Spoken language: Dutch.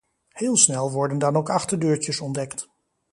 Heel snel worden dan ook achterdeurtjes ontdekt.